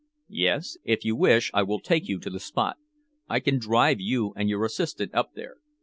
"Yes. If you wish, I will take you to the spot. I can drive you and your assistant up there."